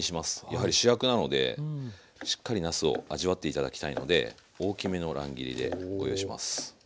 やはり主役なのでしっかりなすを味わって頂きたいので大きめの乱切りで。